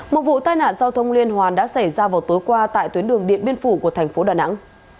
một vụ tai nạn giao thông liên hoàn đã xảy ra vào tối qua tại tuyến đường điện biên phủ của thành phố đà nẵng